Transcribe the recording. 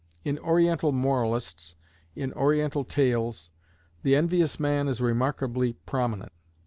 In Oriental moralists, in Oriental tales, the envious man is remarkably prominent.